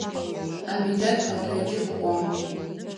Абидат къэтэджи къыӏуагъ.